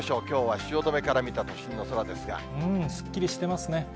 きょうは汐留から見た都心の空ですっきりしてますね。